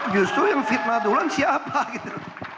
justru yang fitnah duluan siapa gitu